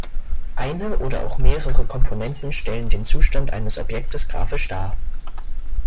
Eine oder auch mehrere Komponenten stellen den Zustand eines Objektes grafisch dar.